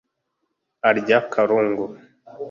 arya karungu